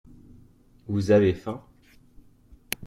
Vous avez faim ?